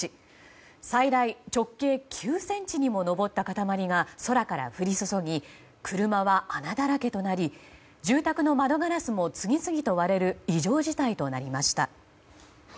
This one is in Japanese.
最大直径９ｃｍにも上った塊が空から降り注ぎ車は穴だらけとなり住宅の窓ガラスも次々と割れる異常事態となりました。